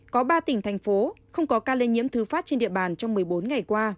có ba tỉnh thành phố không có ca lây nhiễm thứ phát trên địa bàn trong một mươi bốn ngày qua